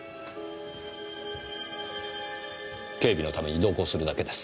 警備のために同行するだけです。